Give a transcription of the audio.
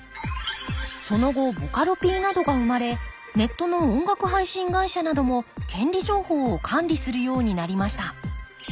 その後ボカロＰなどが生まれネットの音楽配信会社なども権利情報を管理するようになりました。